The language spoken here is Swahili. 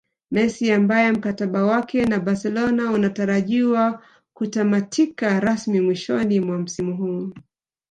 Messi ambaye mkataba wake na Barcelona unatarajiwa kutamatika rasmi mwishoni mwa msimu huu